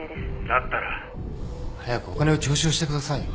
だったら早くお金を徴収してくださいよ。